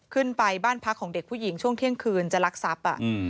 ขึ้นไปบ้านพักของเด็กผู้หญิงช่วงเที่ยงคืนจะลักทรัพย์